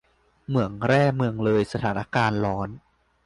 เหมืองแร่เมืองเลย สถานการณ์ร้อน !